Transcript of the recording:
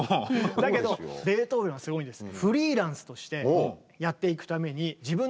だけどベートーベンはすごいんです。